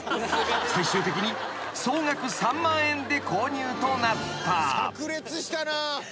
［最終的に総額３万円で購入となった］